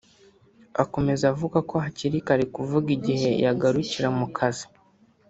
Akomeza avuga ko hakiri kare kuvuga igihe yagarukira mu kazi